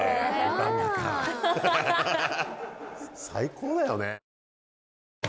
最高だよね。